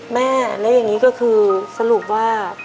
แม่แล้วอย่างนี้ก็คือสรุปว่า